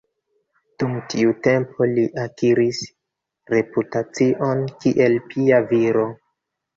Dum tiu tempo li akiris reputacion kiel pia viro.